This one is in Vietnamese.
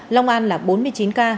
long an là bốn mươi chín ca